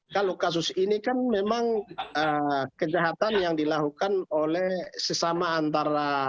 kalau kasus ini kan memang kejahatan yang dilakukan oleh sesama antara